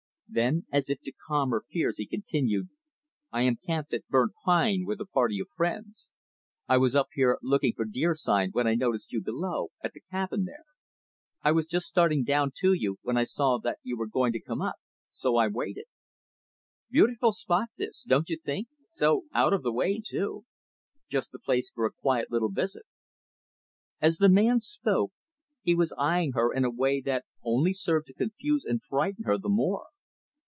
Then, as if to calm her fears, he continued, "I am camped at Burnt Pine, with a party of friends. I was up here looking for deer sign when I noticed you below, at the cabin there. I was just starting down to you, when I saw that you were going to come up; so I waited. Beautiful spot this don't you think? so out of the way, too. Just the place for a quiet little visit." As the man spoke, he was eyeing her in a way that only served to confuse and frighten her the more.